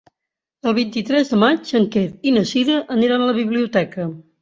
El vint-i-tres de maig en Quer i na Cira aniran a la biblioteca.